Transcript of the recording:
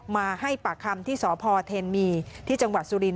มาให้ปากคำที่สพเทนมีที่จังหวัดสุรินท